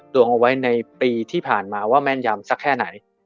ดวงเอาไว้ในปีที่ผ่านมาว่าแม่นยำสักแค่ไหน